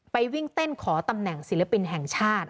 วิ่งเต้นขอตำแหน่งศิลปินแห่งชาติ